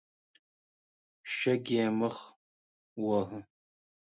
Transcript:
شګې يې مخ وواهه.